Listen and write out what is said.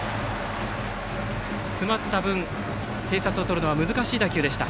詰まった分、併殺をとるのは難しい打球でした。